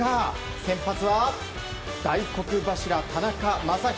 先発は大黒柱、田中将大。